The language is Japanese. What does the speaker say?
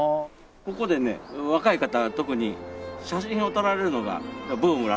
ここでね若い方は特に写真を撮られるのがブームらしくてですね。